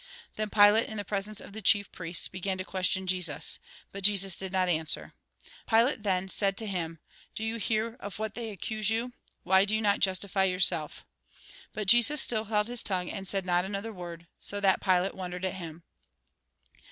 Then Pilate, in the presence of the chief priests, began to question Jesus. But. Jesus did not answer. Pilate then said to him :" Do you hear 152 THE GOSPEL IN BRIEF of wnat they accuse you ? Why do you not justify yourself ?" But Jesus still held his tongue, and said not another word, so that Pilate wondered at him.